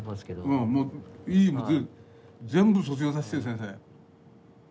もういい全部卒業させてよ先生。